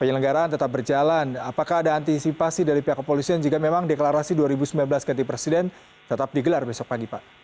penyelenggaraan tetap berjalan apakah ada antisipasi dari pihak kepolisian jika memang deklarasi dua ribu sembilan belas ganti presiden tetap digelar besok pagi pak